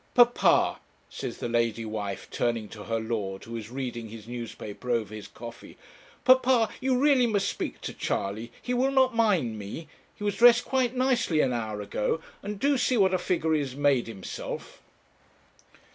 'Papa,' says the lady wife, turning to her lord, who is reading his newspaper over his coffee 'papa, you really must speak to Charley; he will not mind me. He was dressed quite nicely an hour ago, and do see what a figure he has made himself.'